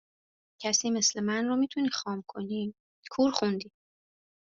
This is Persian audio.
کسی مثل من رو میتونی خام کنی کور خوندی